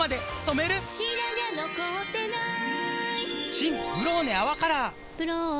新「ブローネ泡カラー」「ブローネ」